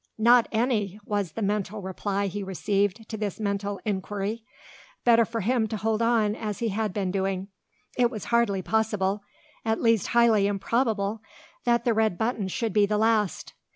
"Not any!" was the mental reply he received to this mental inquiry. Better for him to hold on as he had been doing. It was hardly possible at least highly improbable that the red button should be the last.